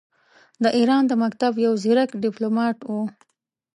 د ایران د مکتب یو ځیرک ډیپلوماټ وو.